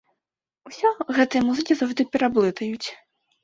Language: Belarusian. Усё гэтыя музыкі заўжды пераблытаюць!